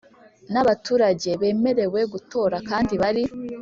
n abaturage bemerewe gutora kandi bari